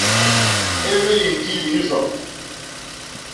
É hwélì ndí lǐrzɔ̀.